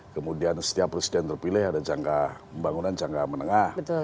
kemudian setiap presiden terpilih ada jangka pembangunan jangka menengah